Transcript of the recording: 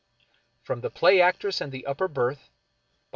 From " The Play Actress and the Upper Berth/' by F.